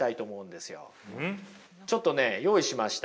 ちょっとね用意しました。